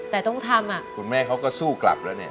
แต่ต้องทำอ่ะคุณแม่เขาก็สู้กลับแล้วเนี่ย